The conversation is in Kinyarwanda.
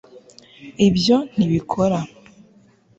ibyo ntibikora